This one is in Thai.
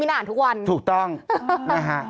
พี่ขับรถไปเจอแบบ